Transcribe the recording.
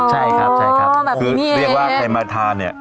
ต้องอิ่มกลับไปแน่นอนครับผมคือเรียกว่าใครมาทานเนี่ย